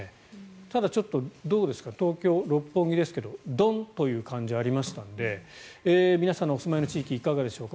ただ、ちょっとどうですか東京・六本木ですがドンという感じがありましたので皆さんがお住まいの地域いかがでしょうか。